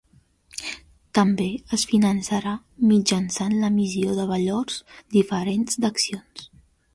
També es finançarà mitjançant l'emissió de valors diferents d'accions.